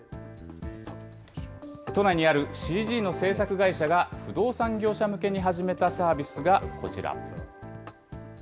都内にあるＣＧの制作会社が不動産業者向けに始めたサービスがこちら。